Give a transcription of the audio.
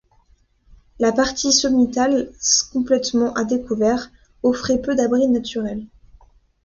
La partie sommitale, complètement à découvert, offrait peu d'abris naturels.